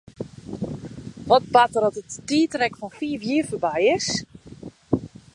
Wat bart der as it tiidrek fan fiif jier foarby is?